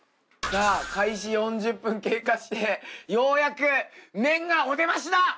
さぁ開始４０分経過してようやく麺がお出ましだ！